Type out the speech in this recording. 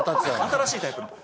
新しいタイプの。